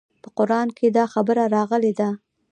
په قران کښې دا خبره راغلې ده.